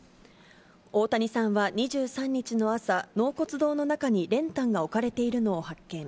大谷さんは２３日の朝、納骨堂の中に練炭が置かれているのを発見。